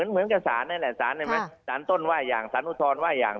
ใช่เหมือนกับศาลนั้นแหละศาลต้นว่าอย่างศาลอุทธรณ์ว่าอย่าง